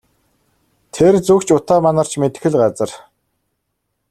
Тэр зүг ч утаа манарч мэдэх л газар.